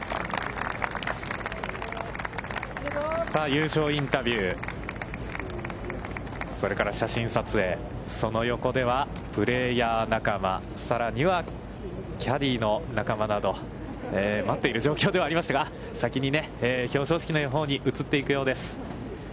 優勝インタビュー、それから写真撮影、その横ではプレーヤー仲間、さらにはキャディーの仲間など、待っている状況ではありますが、先に表彰式のほうに移っていくようです。